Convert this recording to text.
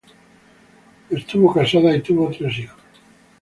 Estuvo casado y tuvo tres hijos.